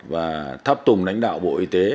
và tháp tùng đánh đạo bộ y tế